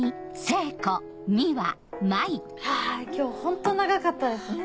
あ今日ホント長かったですね。